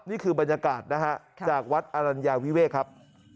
นี่คือบรรยากาศนะฮะจากวัดอรัญญาวิเวกครับ